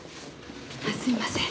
すいません。